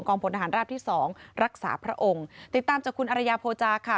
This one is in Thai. พลทหารราบที่สองรักษาพระองค์ติดตามจากคุณอรยาโภจาค่ะ